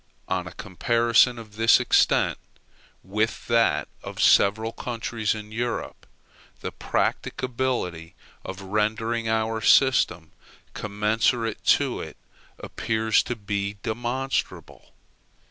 On a comparison of this extent with that of several countries in Europe, the practicability of rendering our system commensurate to it appears to be demonstrable.